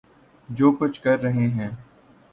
جو کچھ کر رہے ہیں۔